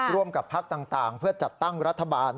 ร่วมกับพักต่างเพื่อจัดตั้งรัฐบาล